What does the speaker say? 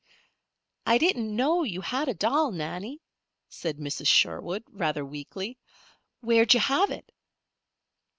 "I didn't know you had a doll, Nannie," said Mrs. Sherwood, rather weakly. "Where'd you have it?"